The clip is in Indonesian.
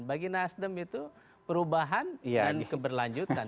bagi nasdem itu perubahan dan keberlanjutan